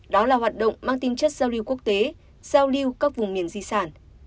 đó là hoạt động mang tinh chất giao lưu quốc tế giao lưu các vùng miền di sản